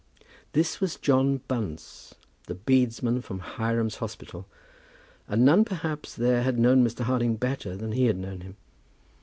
This was John Bunce, a bedesman from Hiram's Hospital, and none perhaps there had known Mr. Harding better than he had known him.